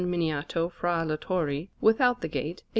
Miniato fra le Torri, without the Gate, a S.